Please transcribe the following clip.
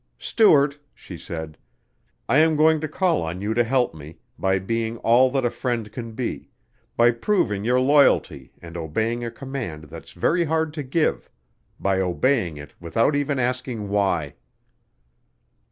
"Stuart," she said, "I am going to call on you to help me, by being all that a friend can be by proving your loyalty and obeying a command that's very hard to give ... by obeying it without even asking why."